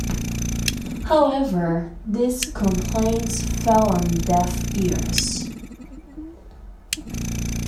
However, these complaints fell on deaf ears.